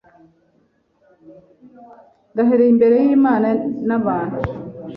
ndahiriye imbere y’Imana n’abantu,